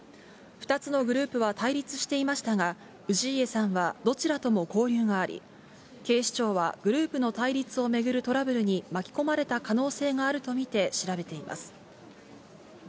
２つのグループは対立していましたが、氏家さんはどちらとも交流があり、警視庁は、グループの対立を巡るトラブルに巻き込まれた可能性があると見て調べています。